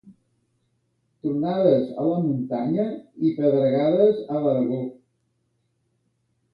Tronades a la muntanya i pedregades a l'Aragó.